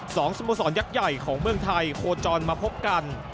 สโมสรยักษ์ใหญ่ของเมืองไทยโคจรมาพบกัน